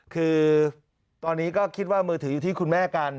คือตอนนี้ก็คิดว่ามือถืออยู่ที่คุณแม่กัน